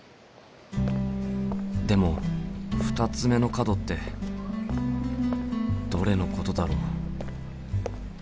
でも２つ目の角ってどれのことだろう？